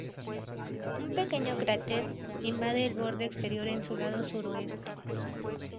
Un pequeño cráter invade el borde exterior en su lado suroeste.